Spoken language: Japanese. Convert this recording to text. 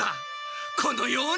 このように！